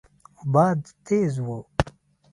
باد تېز و.